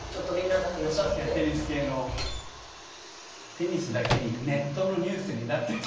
「テニスだけにネットのニュースになってたね」